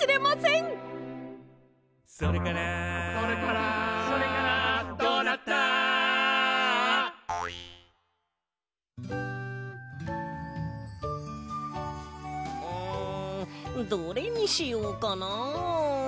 んどれにしようかな。